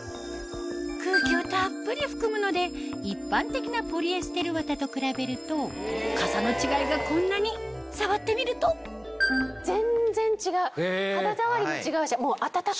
空気をたっぷり含むので一般的なポリエステル綿と比べるとかさの違いがこんなに触ってみると全然違う肌触りも違うしもう暖かい。